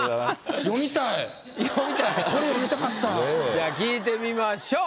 じゃあ聞いてみましょう。